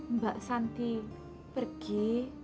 mbak santi pergi